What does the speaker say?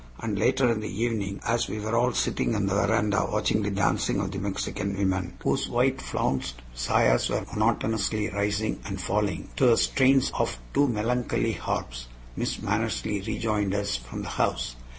And later in the evening, as we were all sitting on the veranda watching the dancing of the Mexican women, whose white flounced sayas were monotonously rising and falling to the strains of two melancholy harps, Miss Mannersley rejoined us from the house.